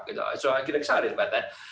jadi saya sangat teruja